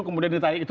kemudian ditarik itu